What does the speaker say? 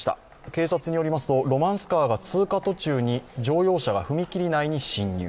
警察によりますと、ロマンスカーが通過途中に乗用車が踏切内に進入。